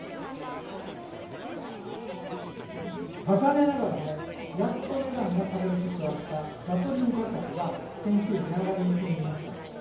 高値ながらも、やっと値段が下がりつつあったガソリン価格が先週、値上がりに転じました。